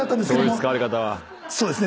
そうですね。